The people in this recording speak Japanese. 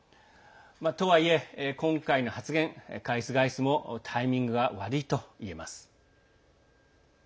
とはいえ今回の発言、返す返すもタイミングが悪いといえます。